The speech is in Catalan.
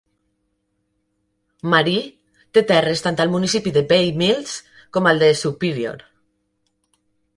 Marie; té terres tant al municipi de Bay Mills com al de Superior.